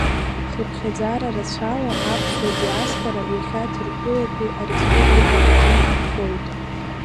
Хыԥхьаӡара рацәала аԥсуа диаспора иахьа Ҭырқәтәылатәи Ареспублика аҿы инхоит.